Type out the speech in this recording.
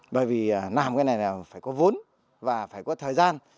bởi vì làm cái này là phải có vốn và phải có thời gian